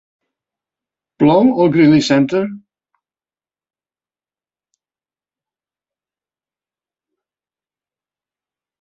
Plou al Greely Center?